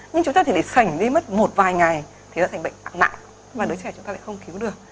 nhưng chúng ta thì phải sảnh đi mất một vài ngày thì sẽ thành bệnh bạc nạn và đứa trẻ chúng ta lại không cứu được